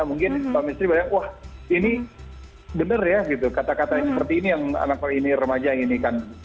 mungkin pak mistry banyak wah ini benar ya gitu kata katanya seperti ini yang anak remaja ini kan